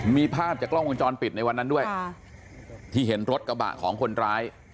มีภาพจากกล้องวงจรปิดในวันนั้นด้วยที่เห็นรถกระบะของคนร้าย